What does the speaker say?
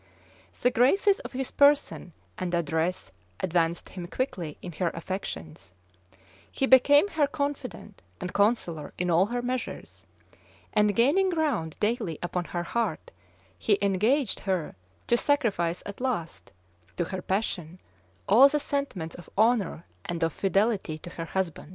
The graces of his person and address advanced him quickly in her affections: he became her confident and counsellor in all her measures; and gaining ground daily upon her heart, he engaged her to sacrifice at last, to her passion, all the sentiments of honor and of fidelity to her husband.